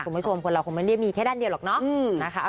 คุณผู้ชมคนเราคงไม่ได้มีแค่ด้านเดียวหรอกเนาะนะคะ